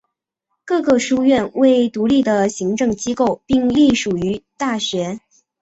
各个书院为独立的行政机构并隶属于大学。